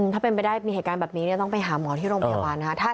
ถ้าเป็นไปได้มีเหตุการณ์แบบนี้ต้องไปหาหมอที่โรงพยาบาลนะคะ